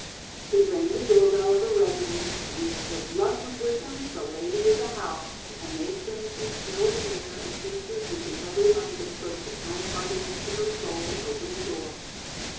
He rang the door bell of a residence, and as if luck was with him, the lady of the house, a matron with snowy hair and features which in every line bespoke the kind heartness of her soul, opened the door.